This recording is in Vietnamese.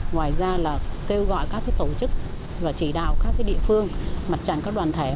ngoài ra là kêu gọi các tổ chức và chỉ đạo các địa phương mặt trận các đoàn thể